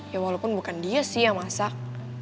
ya walaupun bukan dia sih yang masak